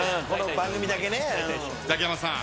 ザキヤマさん